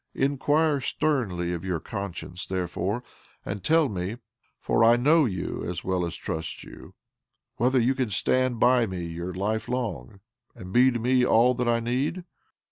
Inquire sternly of your conscience, therefore, and tell me (for I know you, as well as trust you) whether you can stand by me your life long, and be to me all that I need?